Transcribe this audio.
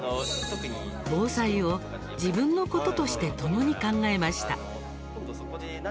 防災を自分のこととしてともに考えました。